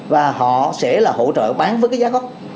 và họ sẽ là hỗ trợ bán với cái giá gốc